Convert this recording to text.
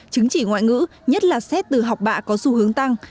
chứng chỉ ngoại ngữ nhất là xét từ học bạ có xu hướng tăng